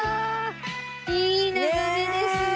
いい眺めですね。